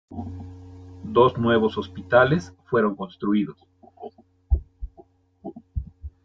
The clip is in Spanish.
Dos nuevos hospitales fueron construidos.